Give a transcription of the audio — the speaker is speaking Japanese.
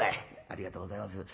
「ありがとうございます。